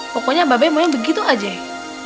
pokoknya mbak be mau yang begitu aja ya